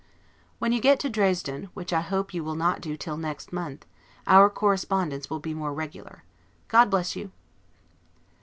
When you get to Dresden, which I hope you will not do till next month, our correspondence will be more regular. God bless you!